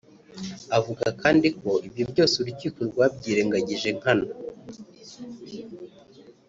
Avuga kandi ko ibyo byose urukiko rwabyirengagije nkana